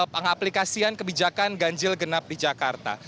pengaplikasian kebijakan ganjil genap di jakarta